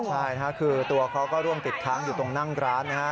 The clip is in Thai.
ใช่นะฮะคือตัวเขาก็ร่วงติดค้างอยู่ตรงนั่งร้านนะฮะ